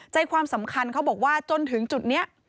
ใจความสำคัญเขาบอกว่าจนถึงจุดนี้